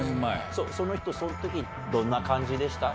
その人その時どんな感じでした？